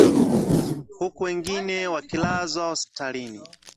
huku wengine wakilazwa hospitalini